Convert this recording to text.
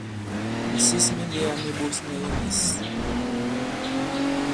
Mìsis mi lēgā mi ɓos nyɛ i mīs.